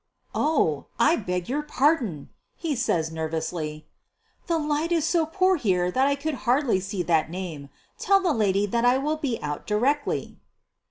"Oh, I beg your pardon," he says nervously;! "the light is so poor here that I could hardly see' that name. Tell the lady that I will be out directly.